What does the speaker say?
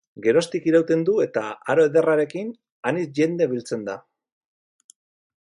Geroztik irauten du eta, aro ederrarekin, anitz jende biltzen da.